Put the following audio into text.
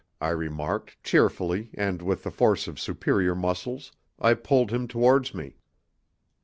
I remarked, cheerfully, and with the force of superior muscles I pulled him towards me.